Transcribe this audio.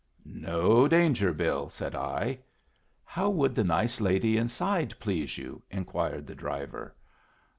"No danger, Bill," said I. "How would the nice lady inside please you?" inquired the driver.